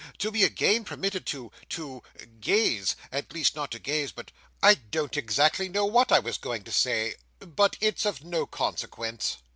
"To be again permitted to—to—gaze—at least, not to gaze, but—I don't exactly know what I was going to say, but it's of no consequence."